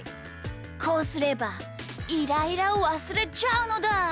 こうすればイライラをわすれちゃうのだ！